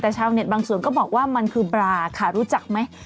แต่ชาวเน็ตบางส่วนก็บอกว่ามันคือบราค่ะรู้จักไหม